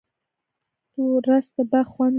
رس د باغ خوند دی